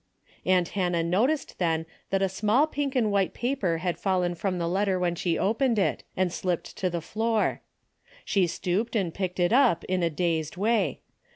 Aunt Hannah noticed then that a small pink and white paper had fallen from the letter when she opened it, and slipped to the floor. She stooped and picked it up in a dazed way.